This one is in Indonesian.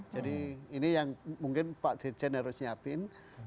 jadi ini yang mungkin pak dirjen harus siapin